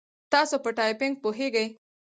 تاسو په ټایپینګ پوهیږئ؟